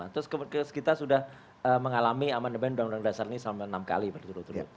terus kita sudah mengalami amandemen undang undang dasar ini selama enam kali berturut turut